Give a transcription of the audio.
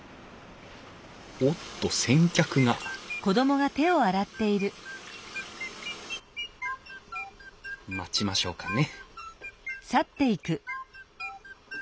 おっと先客が待ちましょうかね